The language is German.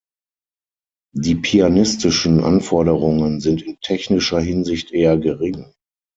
Die pianistischen Anforderungen sind in technischer Hinsicht eher gering.